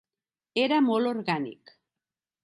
Era molt orgànic.